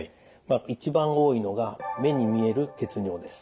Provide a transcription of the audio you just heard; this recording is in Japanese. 一番多いのが目に見える血尿です。